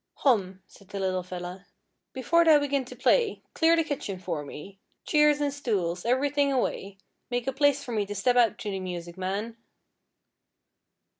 'Hom,' said the little fella, 'before thou begin to play, clear the kitchen for me cheers an' stools, everything away make a place for me to step out to the music, man.'